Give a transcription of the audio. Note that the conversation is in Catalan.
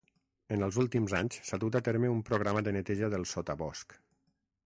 En els últims anys s'ha dut a terme un programa de neteja del sotabosc.